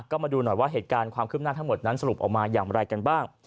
ก็มาดูหน่อยว่าเหตุการณ์ความคืบหน้าทั้งหมดนั้นสรุปออกมาอย่างไรกันบ้าง